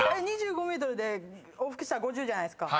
２５ｍで往復したら５０じゃないですか。